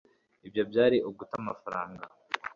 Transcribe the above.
ibyo byari uguta amafaranga